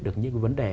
được những vấn đề